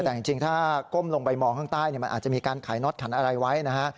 แต่จริงถ้าก้มลงไปมองข้างใต้มันอาจจะมีการขายน็อตขันอะไรไว้นะฮะ